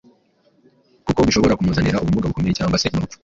kuko bishobora kumuzanira ubumuga bukomeye cyangwa se n’urupfu.